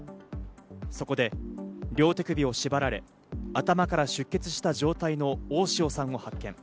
そこで両手首を縛られ、頭から出血した状態の大塩さんを発見。